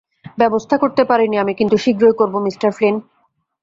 ব্যবস্থা করতে পারিনি আমি কিন্তু শীঘ্রই করবো, মিস্টার ফ্লিন।